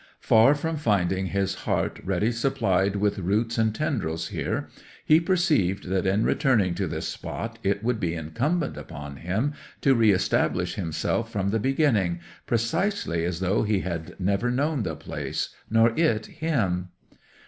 Far from finding his heart ready supplied with roots and tendrils here, he perceived that in returning to this spot it would be incumbent upon him to re establish himself from the beginning, precisely as though he had never known the place, nor it him.